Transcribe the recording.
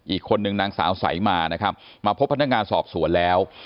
อีกคนนึงนางสาวสายมานะครับมาพบพนักงานสอบสวนแล้ว